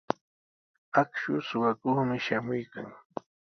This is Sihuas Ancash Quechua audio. Akshu suqakuqmi shamuykan.